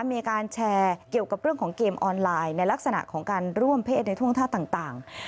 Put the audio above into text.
มีการแชร์เกี่ยวกับเรื่องของเกมออนไลน์ในลักษณะของการร่วมเพศในท่วงท่าต่าง